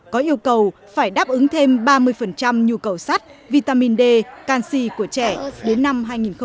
có yêu cầu phải đáp ứng thêm ba mươi nhu cầu sắt vitamin d canxi của trẻ đến năm hai nghìn hai mươi